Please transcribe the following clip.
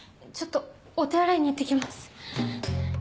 ちょっとお手洗いに行って来ます。